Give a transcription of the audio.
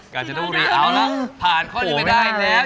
การจนบุรีเอาละผ่านข้อนี้ได้แล้ว